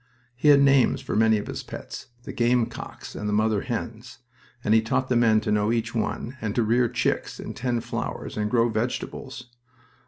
He had names for many of his pets the game cocks and the mother hens; and he taught the men to know each one, and to rear chicks, and tend flowers, and grow vegetables.